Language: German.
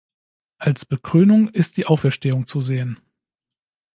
Als Bekrönung ist die Auferstehung zu sehen.